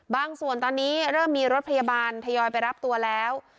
ส่วนตอนนี้เริ่มมีรถพยาบาลทยอยไปรับตัวแล้ว